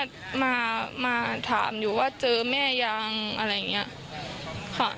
ก็มาถามอยู่ว่าเจอแม่ยังอะไรอย่างนี้ค่ะ